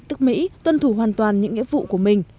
tức mỹ tuân thủ hoàn toàn những nghĩa vụ của mình